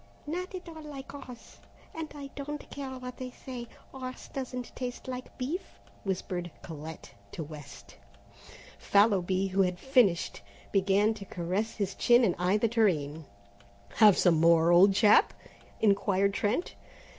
"Not at all like horse, and I don't care what they say, horse doesn't taste like beef," whispered Colette to West. Fallowby, who had finished, began to caress his chin and eye the tureen. "Have some more, old chap?" inquired Trent.